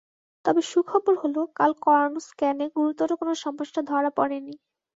তবে সুখবর হলো, কাল করানো স্ক্যানে গুরুতর কোনো সমস্যা ধরা পড়েনি।